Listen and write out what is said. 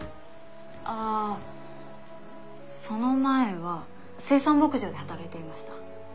あその前は生産牧場で働いていました。